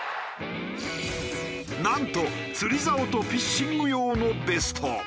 なんと釣り竿とフィッシング用のベスト。